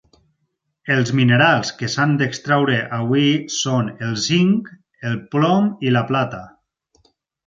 Els minerals que s'han d'extraure avui són: el zinc, el plom i la plata.